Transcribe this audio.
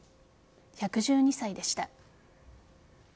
１１２歳でした。